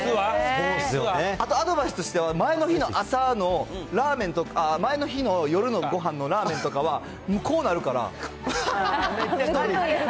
あとアドバイスとしては、前の日の朝のラーメンとか、前の日の夜のごはんのラーメンとかは、こうなるから。